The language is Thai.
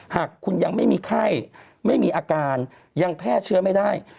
หากคุณยังไม่มีไข้ไม่มีอาการยังแพร่เชื้อไม่ได้